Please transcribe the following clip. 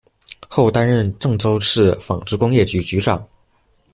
后担任郑州市纺织工业局局长。